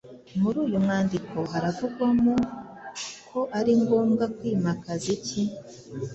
Muri uyu mwandiko haravugwamo ko ari ngombwa kwimakaza iki?